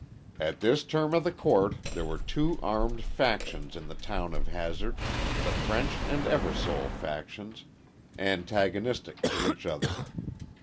At this term of the Court there were two armed factions in the town of Hazard, the French and Eversole factions, antagonistic to each other.